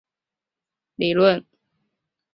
后文字社会继续存在的虚讲社会理论。